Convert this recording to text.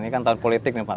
ini kan tahun politik nih pak